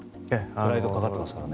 プライドがかかっていますからね。